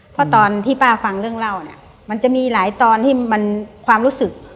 เพราะตอนที่ป้าฟังเรื่องเล่าเนี่ยมันจะมีหลายตอนที่มันความรู้สึก